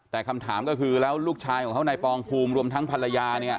แต่คำถามก็คือแล้วลูกชายของเขาในปองภูมิรวมทั้งภรรยาเนี่ย